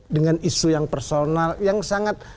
dengan isu yang personal yang sangat